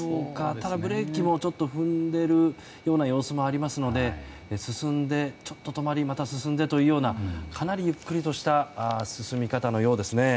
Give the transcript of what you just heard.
ただ、ブレーキも踏んでいるような様子もありますので進んで、ちょっと止まりまた進んでというようなかなりゆっくりとした進み方のようですね。